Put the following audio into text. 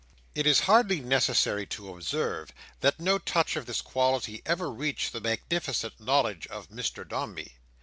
It is hardly necessary to observe, that no touch of this quality ever reached the magnificent knowledge of Mr Dombey.